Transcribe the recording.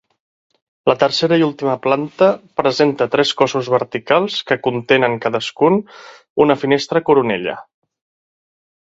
La tercera i última planta presenta tres cossos verticals que contenen cadascun una finestra coronella.